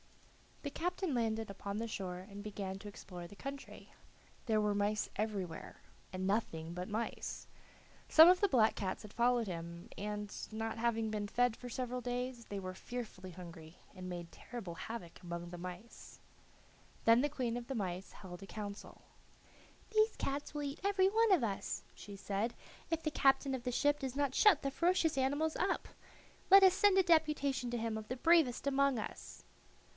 The captain landed upon the shore and began to explore the country. There were mice everywhere, and nothing but mice. Some of the black cats had followed him, and, not having been fed for several days, they were fearfully hungry, and made terrible havoc among the mice. Then the queen of the mice held a council. "These cats will eat every one of us," she said, "if the captain of the ship does not shut the ferocious animals up. Let us send a deputation to him of the bravest among us."